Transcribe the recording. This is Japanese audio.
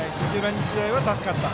日大は助かった。